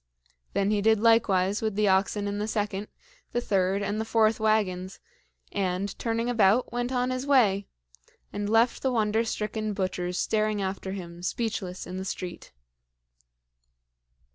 Then he did likewise with the oxen in the second, the third, and the fourth wagons, and, turning about, went on his way, and left the wonder stricken butchers staring after him, speechless, in the street.